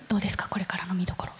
これからの見どころ。